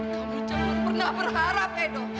kamu cuma pernah berharap edo